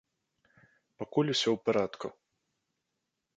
Пакуль усё ў парадку.